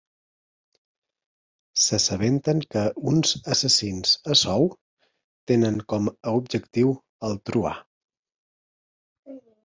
S'assabenten que uns assassins a sou tenen com a objectiu el truà.